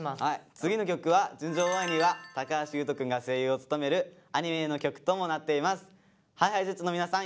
次の曲は「純情ウォーアイニー」は橋優斗くんが声優を務めるアニメの曲ともなっています。ＨｉＨｉＪｅｔｓの皆さん